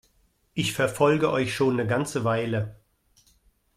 Ich verfolge euch schon 'ne ganze Weile.